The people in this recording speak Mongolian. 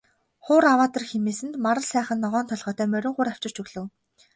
Хуур аваад ир хэмээсэнд Марал сайхан ногоон толгойтой морин хуур авчирч өглөө.